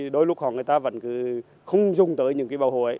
đôi lúc họ vẫn không dùng tới những bảo hộ